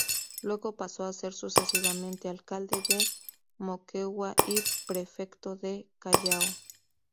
Luego pasó a ser sucesivamente alcalde de Moquegua y prefecto del Callao.